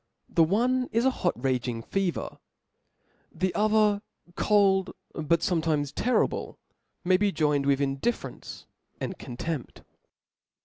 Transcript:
The one is a hot raging fever 5 the other, cold^ but fometimes terrible, may be joined with indifference and contempt.